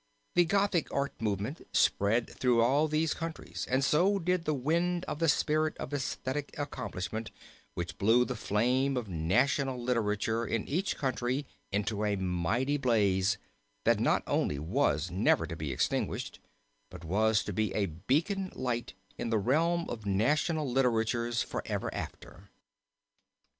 The Gothic art movement spread through all these countries, and so did the wind of the spirit of esthetic accomplishment which blew the flame of national literature in each country into a mighty blaze, that not only was never to be extinguished, but was to be a beacon light in the realm of national literatures forever after.